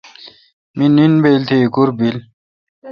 می نین بایل تھ ایکور بیک